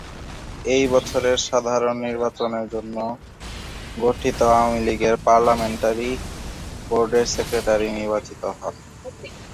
এই বছরের সাধারণ নির্বাচনের জন্য গঠিত আওয়ামী লীগের পার্লামেন্টারি বোর্ডের সেক্রেটারি নির্বাচিত হন।